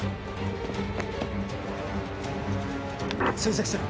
追跡する。